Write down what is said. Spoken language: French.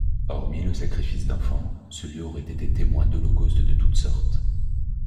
Hormis le sacrifice d'enfants, ce lieu aurait été témoin d'holocaustes de toutes sortes.